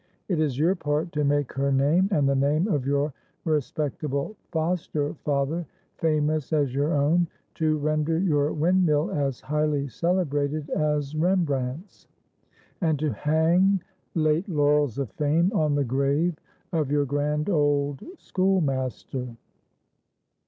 It is your part to make her name, and the name of your respectable foster father, famous as your own; to render your windmill as highly celebrated as Rembrandt's, and to hang late laurels of fame on the grave of your grand old schoolmaster.